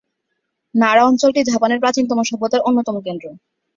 নারা অঞ্চলটি জাপানের প্রাচীনতম সভ্যতার অন্যতম কেন্দ্র।